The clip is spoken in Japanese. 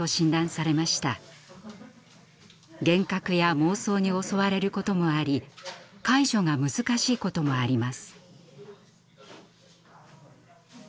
幻覚や妄想に襲われることもあり介助が難しいこともあります。